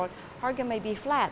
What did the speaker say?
harga mungkin flat